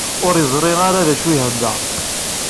Ur yeẓri ara d acu i ihedder.